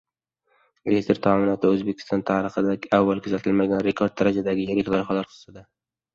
Elektr ta’minoti: O‘zbekiston tarixida avval kuzatilmagan rekord darajadagi yirik loyihalar xususida